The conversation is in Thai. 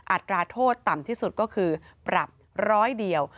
อัตราโทษต่ำที่สุดก็คือปรับร้อยเดียว